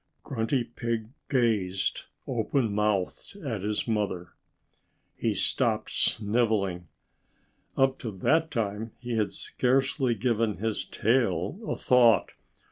Grunty Pig gazed, open mouthed, at his mother. He stopped snivelling. Up to that time he had scarcely given his tail a thought.